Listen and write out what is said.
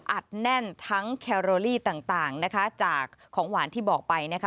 อัดแน่นทั้งแคโรลี่ต่างต่างนะคะจากของหวานที่บอกไปนะคะ